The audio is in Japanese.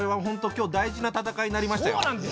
今日大事な戦いになりましたよ。